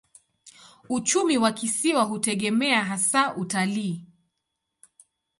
Uchumi wa kisiwa hutegemea hasa utalii.